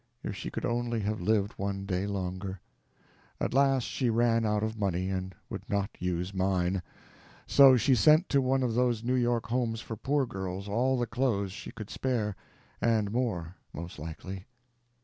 If she could only have lived one day longer! At last she ran out of money, and would not use mine. So she sent to one of those New York homes for poor girls all the clothes she could spare—and more, most likely.